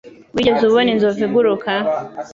Wigeze ubona inzovu iguruka?